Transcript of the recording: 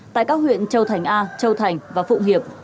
tại các huyện châu thành a châu thành và phụng hiệp